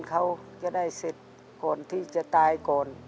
เค้าจะได้เสร็จก่อนที่จะตายก่อน